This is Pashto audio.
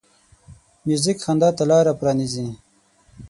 موزیک خندا ته لاره پرانیزي.